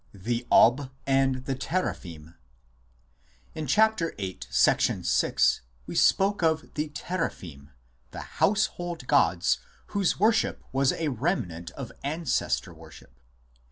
THE " OB " AND THE TEEAPHIM In Ch. VIII, VI we spoke of the Teraphim, the house hold gods whose worship was a remnant of Ancestor worship.